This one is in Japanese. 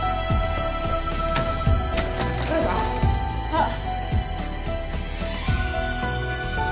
あっ！